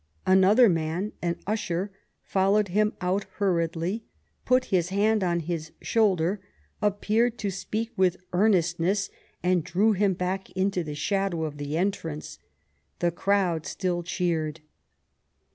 Another man, an usher, followed him out hurriedly, put his hand on his shoulder, appeared to speak with earnestness, and drew him back into the shadow of the entrance. The crowd still cheered.